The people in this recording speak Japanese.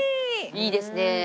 いいですね。